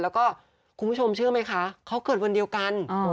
แล้วก็คุณผู้ชมเชื่อไหมคะเขาเกิดวันเดียวกัน